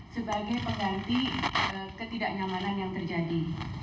sebagai pengganti ketidaknyamanan yang terjadi